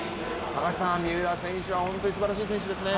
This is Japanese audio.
高橋さん、三浦選手は本当にすばらしい選手ですね。